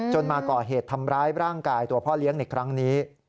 มาก่อเหตุทำร้ายร่างกายตัวพ่อเลี้ยงในครั้งนี้